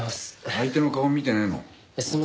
相手の顔見てねえの？